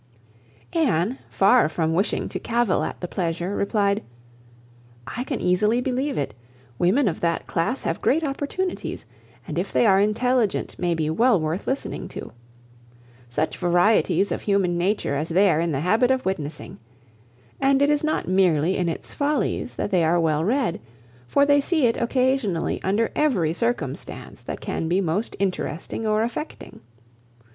Anne, far from wishing to cavil at the pleasure, replied, "I can easily believe it. Women of that class have great opportunities, and if they are intelligent may be well worth listening to. Such varieties of human nature as they are in the habit of witnessing! And it is not merely in its follies, that they are well read; for they see it occasionally under every circumstance that can be most interesting or affecting.